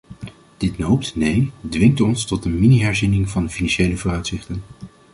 Dit noopt, nee dwingt ons tot een miniherziening van de financiële vooruitzichten.